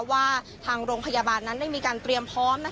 ว่าทางโรงพยาบาลนั้นได้มีการเตรียมพร้อม